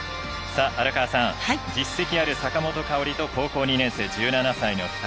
荒川さん、実績ある坂本花織と高校２年生、１７歳の２人。